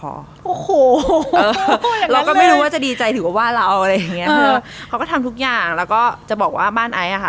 โอ้โหอย่างนั้นเลยเราก็ไม่รู้ว่าจะดีใจถึงว่าเราอะไรอย่างเงี้ยเขาก็ทำทุกอย่างแล้วก็จะบอกว่าบ้านไอ้อะค่ะ